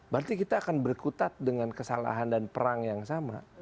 berarti kita akan berkutat dengan kesalahan dan perang yang sama